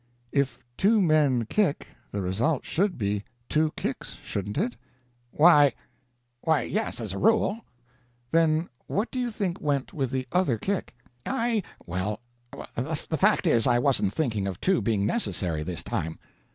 "If two men kick, the result should be two kicks, shouldn't it?" "Why why yes, as a rule." "Then what do you think went with the other kick?" "I well the fact is, I wasn't thinking of two being necessary, this time."